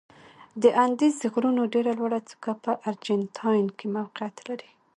د اندیز د غرونو ډېره لوړه څوکه په ارجنتاین کې موقعیت لري.